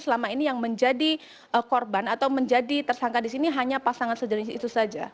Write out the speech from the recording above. selama ini yang menjadi korban atau menjadi tersangka di sini hanya pasangan sejenis itu saja